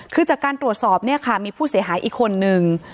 คือจากการตรวจสอบเนี่ยค่ะมีผู้เสียหายอีกคนนึง